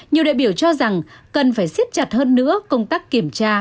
nhiều đại biểu cho rằng cần phải siết chặt hơn nữa công tác kiểm tra